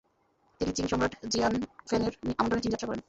তিনি চিং সম্রাট জিয়ানফেংয়ের আমন্ত্রণে চীন যাত্রা করেন।